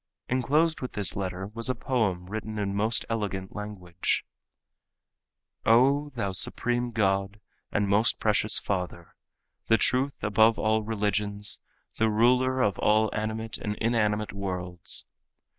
Enclosed with this letter was a poem written in most elegant language. "O thou Supreme God and most precious Father, The truth above all religions, The Ruler of all animate and inanimate worlds!